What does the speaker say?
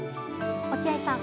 落合さん。